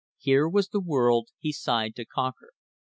Here was the world he sighed to conquer.